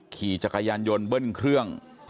ขี่จักรยานยนต์เบิ้ลเครื่อง